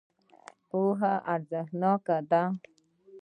پوهه ارزښتناکه ده.